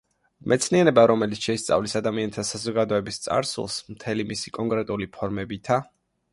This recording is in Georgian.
მეცნიერება რომელიც შეისწავლის ადამიანთა საზოგადოების წარსულს მთელი მისი კონკრეტული ფორმებითა